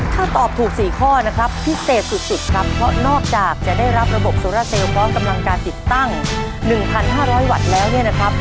ถ้าตอบถูก๔ข้อนะครับพิเศษสุดครับเพราะนอกจากจะได้รับระบบโซราเซลลพร้อมกำลังการติดตั้ง๑๕๐๐วัตต์แล้วเนี่ยนะครับ